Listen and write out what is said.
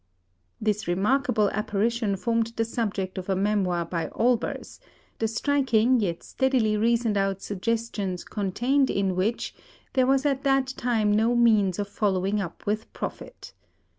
This remarkable apparition formed the subject of a memoir by Olbers, the striking yet steadily reasoned out suggestions contained in which there was at that time no means of following up with profit.